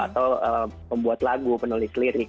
atau pembuat lagu penulis lirik